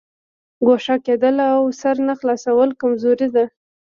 ګوښه کېدل او سر نه خلاصول کمزوري ده.